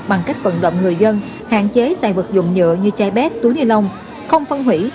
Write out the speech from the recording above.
bằng cách vận động người dân hạn chế xài vật dụng nhựa như chai bét túi ni lông không phân hủy